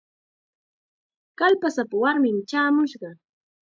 Kallpasapa warmim chaamushqa.